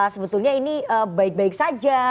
sebetulnya ini baik baik saja